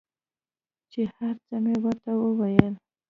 چې هر څه مې ورته وويل.